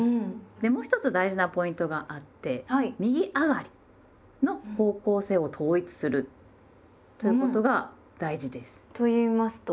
でもう一つ大事なポイントがあって右上がりの方向性を統一するということが大事です。と言いますと？